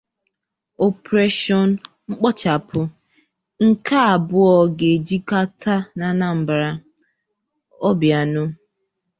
'Operation Kpochapụ' Nke Abụọ Ga-Echighata n'Anambra -- Obianọ